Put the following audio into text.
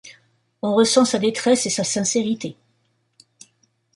On ressent sa détresse et sa sincérité.